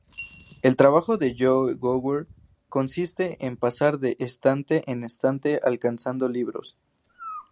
El trabajo de Joe Gower consiste en pasar de estante en estante alcanzando libros.